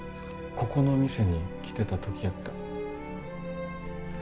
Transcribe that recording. ここの店に来てた時やった。